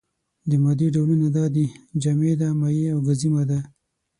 د مادې ډولونه دا دي: جامده، مايع او گازي ماده.